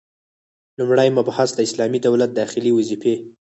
لومړی مبحث: د اسلامي دولت داخلي وظيفي: